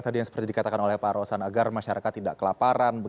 tadi yang seperti dikatakan oleh pak rosan agar masyarakat tidak kelaparan